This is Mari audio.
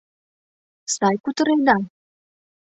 — Сай кутыреда?